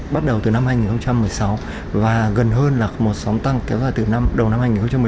bắt đầu từ năm hai nghìn một mươi sáu và gần hơn là một sóng tăng kéo dài từ đầu năm hai nghìn một mươi